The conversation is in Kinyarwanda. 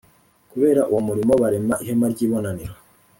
Kubera uwo murimo barema ihema ry’ibonaniro